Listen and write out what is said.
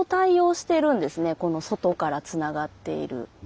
この外からつながっている。